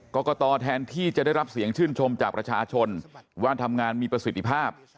กรกตแทนที่จะได้รับเสียงชื่นชมจากประชาชนว่าทำงานมีประสิทธิภาพ